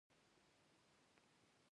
هرات د افغانستان د جغرافیې بېلګه ده.